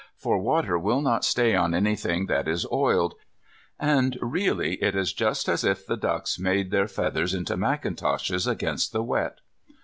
For water will not stay on anything that is oiled, and really, it is just as if the ducks made their feathers into mackintoshes against the wet.